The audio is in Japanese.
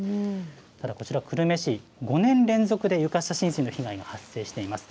ただこちら久留米市、５年連続で床下浸水の被害が発生しています。